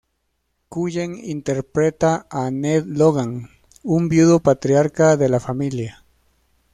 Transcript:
Cullen interpreta a Ned Logan, un viudo patriarca de la familia.